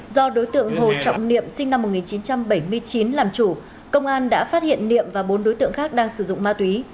do đối tượng hồ trọng niệm sinh năm một nghìn chín trăm bảy mươi chín làm chủ công an đã phát hiện niệm và bốn đối tượng khác đang sử dụng ma túy